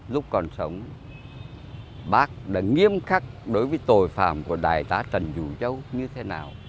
lúc còn sống bác đã nghiêm khắc đối với tội phạm của đại tá trần dụ châu như thế nào